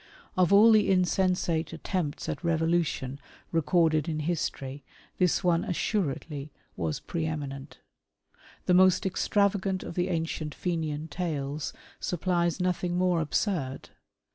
Of all the insensate attempts at revolution recorded in history, this one assuredly was preeminent. The most extra vagant of the ancient Fenian tales supplies nothing more absurd.